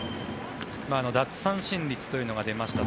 奪三振率というのが出ました。